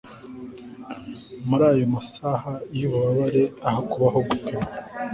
muri ayo masaha yububabare aho kubaho gupima